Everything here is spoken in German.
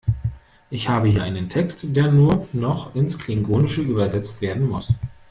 Ich habe hier einen Text, der nur noch ins Klingonische übersetzt werden muss.